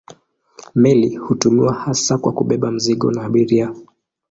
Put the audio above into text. Meli hutumiwa hasa kwa kubeba mizigo na abiria.